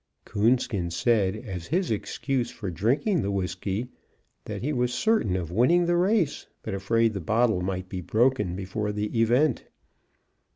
Coonskin said, as his excuse for drinking the whiskey, that he was certain of winning the race, but afraid the bottle might be broken before the event.